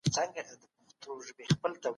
تاسي باید هره ورځ په یوټیوب کي ویډیوګانې وګورئ.